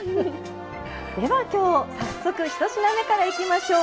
では今日、早速１品目からいきましょう。